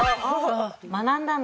学んだんだ。